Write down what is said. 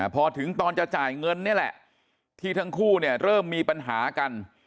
พอถึงตอนจะจ่ายเงินนี่แหละที่ทั้งคู่เนี่ยเริ่มมีปัญหากัน